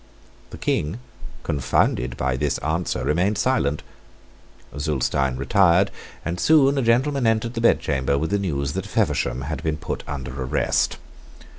The King, confounded by this answer, remained silent. Zulestein retired; and soon a gentleman entered the bedchamber with the news that Feversham had been put under arrest.